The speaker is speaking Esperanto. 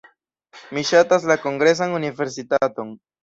Mi ŝatas la Kongresan Universitaton.